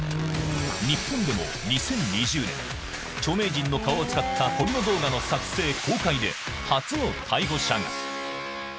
日本でも２０２０年、著名人の顔を使ったポルノ動画の作成、公開で、初の逮捕者が。